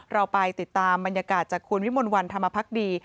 เราไปติดตามบรรยากาศจากคุณวิมลวันธรรมพักดี